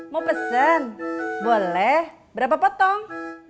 mau pesen boleh berapa potong